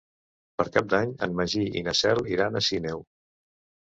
Per Cap d'Any en Magí i na Cel iran a Sineu.